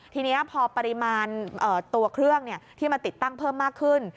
ทีนี้พอปริมาณตัวเครื่องที่มาติดตั้งเพิ่มมากขึ้น